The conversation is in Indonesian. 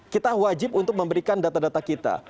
kita wajib untuk memberikan data data kita